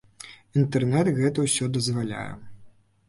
Інтэрнэт гэта ўсё дазваляе.